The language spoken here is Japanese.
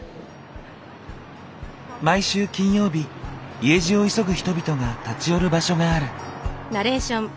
毎週金曜日家路を急ぐ人々が立ち寄る場所がある。